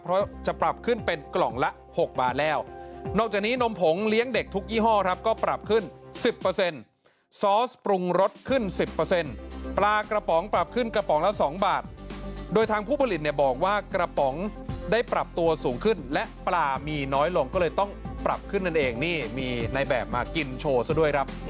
เพราะจะปรับขึ้นเป็นกล่องละ๖บาทแล้วนอกจากนี้นมผงเลี้ยงเด็กทุกยี่ห้อครับก็ปรับขึ้น๑๐ซอสปรุงรสขึ้น๑๐ปลากระป๋องปรับขึ้นกระป๋องละ๒บาทโดยทางผู้ผลิตเนี่ยบอกว่ากระป๋องได้ปรับตัวสูงขึ้นและปลามีน้อยลงก็เลยต้องปรับขึ้นนั่นเองนี่มีในแบบมากินโชว์ซะด้วยครับ